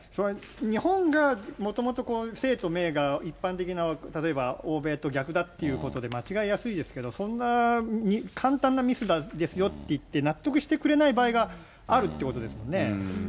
日本がもともとこう姓と名が一般的な、例えば欧米と逆だっていうことで間違いやすいですけど、そんな簡単なミスですよっていって納得してくれない場合があるってことですよね。